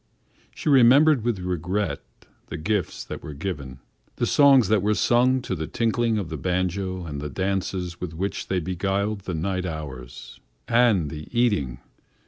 She remembered with regret the gifts that were given, the songs that were sung to the tinkling of the banjo and the dances with which they beguiled the night hours. And the eating!